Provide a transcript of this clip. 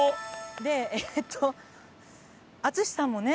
でえっと淳さんもね